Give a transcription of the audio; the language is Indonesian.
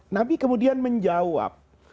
nabi kemudian menjawab